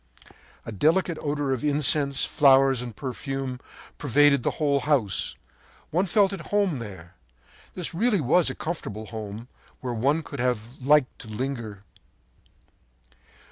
“A delicate odor of incense, flowers and perfume pervaded the whole house. One felt at home there. This really was a comfortable home, where one would have liked to linger.